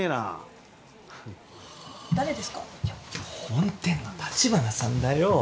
本店の立花さんだよ。